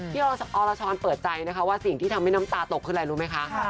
อรชรเปิดใจนะคะว่าสิ่งที่ทำให้น้ำตาตกคืออะไรรู้ไหมคะ